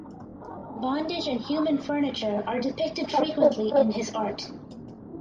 Bondage and human furniture are depicted frequently in his art.